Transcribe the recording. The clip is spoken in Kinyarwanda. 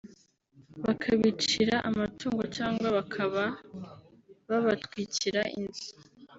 bakabicira amatungo cyangwa bakaba babatwikira inzu